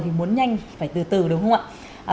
vì muốn nhanh phải từ từ đúng không ạ